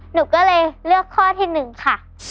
หนูก็เลยเลือกข้อที่๑ค่ะ